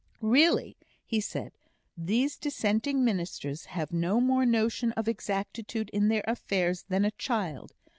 "Really," he said, "these Dissenting ministers have no more notion of exactitude in their affairs than a child!